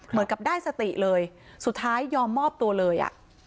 เหมือนกับได้สติเลยสุดท้ายยอมมอบตัวเลยอ่ะ